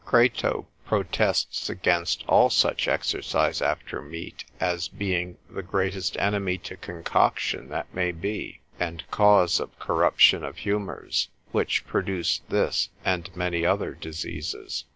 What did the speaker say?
Crato, consil. 21. l. 2, protests against all such exercise after meat, as being the greatest enemy to concoction that may be, and cause of corruption of humours, which produce this, and many other diseases.